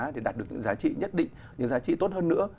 để đạt được những giá trị nhất định những giá trị tốt hơn nữa